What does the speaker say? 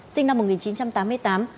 sinh năm một nghìn chín trăm tám mươi tám